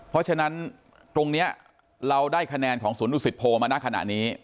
เพราะฉะนั้นตรงนี้เราได้คะแนนของสวนดุสิตโพมาณขณะนี้